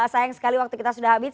sayang sekali waktu kita sudah habis